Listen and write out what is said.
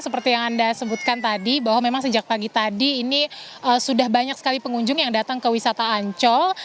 seperti yang anda sebutkan tadi bahwa memang sejak pagi tadi ini sudah banyak sekali pengunjung yang datang ke wisata ancol